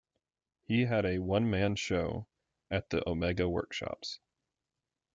He had a one-man show at the Omega Workshops.